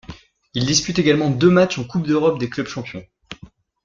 Il dispute également deux matchs en Coupe d'Europe des clubs champions.